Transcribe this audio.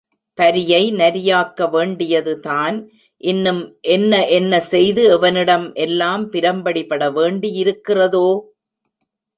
பரியை நரியாக்க வேண்டியதுதான் இன்னும் என்ன என்ன செய்து எவனிடம் எல்லாம் பிரம்படிபடவேண்டியிருக்கிறதோ?